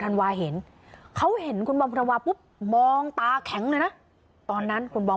ไม่อยากให้แม่เป็นอะไรไปแล้วนอนร้องไห้แท่ทุกคืน